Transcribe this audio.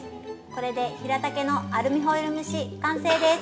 これで「ひらたけのアルミホイル蒸し」完成です。